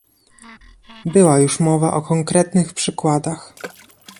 Była już mowa o konkretnych przykładach